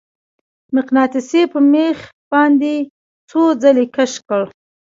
مقناطیس په میخ باندې څو ځلې کش کړئ.